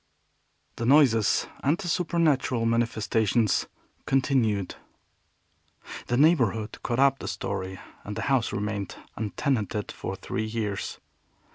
The noises and supernatural manifestations continued. The neighborhood caught up the story, and the house remained untenanted for three years.